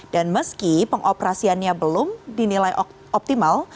dan meski pengoperasiannya belum dinilai optimal